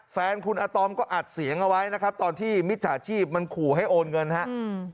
แฟนคุณอาตอมก็อัดเสียงเอาไว้นะครับตอนที่มิจฉาชีพมันขู่ให้โอนเงินครับ